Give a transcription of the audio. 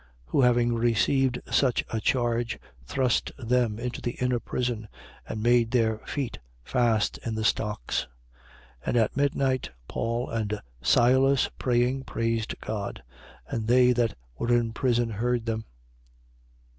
16:24. Who having received such a charge, thrust them into the inner prison and made their feet fast in the stocks. 16:25. And at midnight, Paul and Silas, praying, praised God. And they that were in prison heard them.